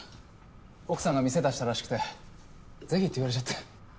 奥さんが店出したらしくて「ぜひ」って言われちゃって。